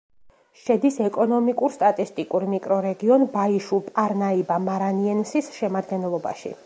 შედის ეკონომიკურ-სტატისტიკურ მიკრორეგიონ ბაიშუ-პარნაიბა-მარანიენსის შემადგენლობაში.